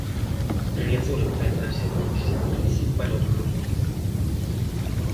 Riazor empeza a ser un suplicio para o Deportivo.